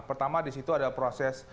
pertama di situ ada proses